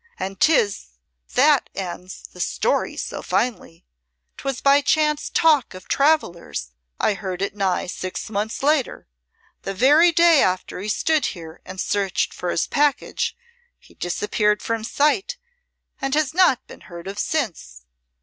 "And 'tis that ends the story so finely. 'Twas by chance talk of travellers I heard it nigh six months later. The very day after he stood here and searched for his package he disappeared from sight and has not been heard of since.